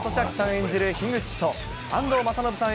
演じる樋口と、安藤政信さん